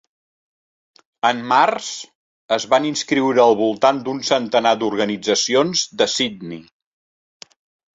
En març, es van inscriure al voltant d'un centenar d'organitzacions de Sidney.